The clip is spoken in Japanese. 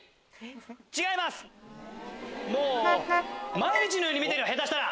毎日のように見てる下手したら。